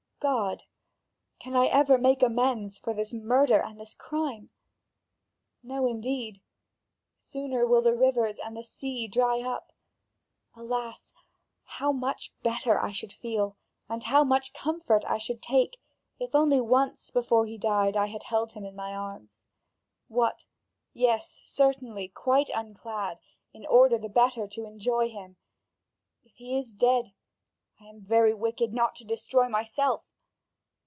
God! can I ever make amends for this murder and this crime? No, indeed; sooner will the rivers and the sea dry up. Alas! how much better I should feel, and how much comfort I should take, if only once before he died I had held him in my arms! What? Yes, certainly, quite unclad, in order the better to enjoy him. If he is dead, I am very wicked not to destroy myself.